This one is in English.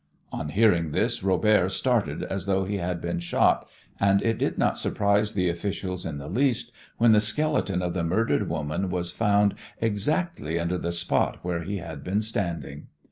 On hearing this Robert started as though he had been shot, and it did not surprise the officials in the least when the skeleton of the murdered woman was found exactly under the spot where he had been standing.